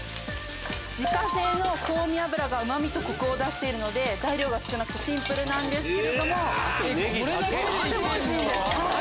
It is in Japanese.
自家製の香味油がうま味とコクを出しているので材料が少なくてシンプルですけどとってもおいしいんです。